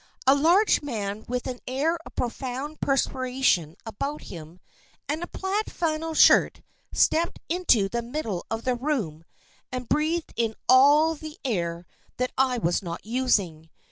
A large man with an air of profound perspiration about him and a plaid flannel shirt, stepped into the middle of the room and breathed in all the air that I was not using.